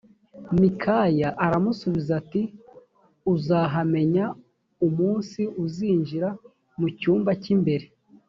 mikaya aramusubiza ati “uzahamenya umunsi uzinjira mu cyumba cy’imbere”